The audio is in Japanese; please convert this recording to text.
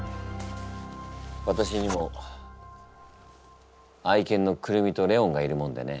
わたしにも愛犬のクルミとレオンがいるもんでね。